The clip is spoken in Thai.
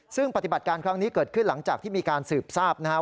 ซึ่งปฏิบัติการครั้งนี้เกิดขึ้นหลังจากที่มีการสืบทราบนะครับ